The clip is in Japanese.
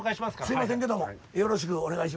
すいませんけどもよろしくお願いします。